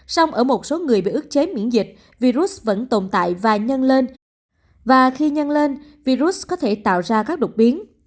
song ở một số người bị ức chế miễn dịch virus vẫn tồn tại và nhân lên và khi nhân lên virus có thể tạo ra các đột biến